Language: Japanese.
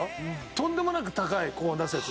とんでもなく高い高音出すやつ。